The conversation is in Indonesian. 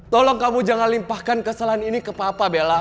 tolong kamu jangan limpahkan kesalahan ini ke papa bella